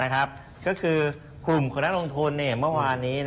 ก็คือกลุ่มของนักลงทุนเมื่อวานนี้